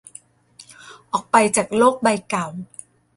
ออกไปจากโลกใบเก่า